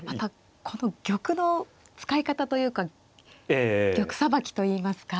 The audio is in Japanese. この玉の使い方というか玉さばきといいますか。